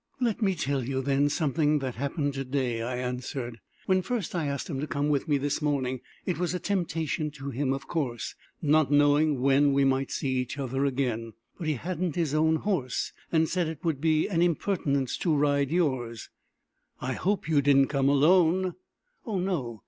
"Let me tell you, then, something that happened to day," I answered. "When first I asked him to come with me this morning, it was a temptation to him of course, not knowing when we might see each other again; but he hadn't his own horse, and said it would be an impertinence to ride yours." "I hope you did not come alone!" "Oh, no.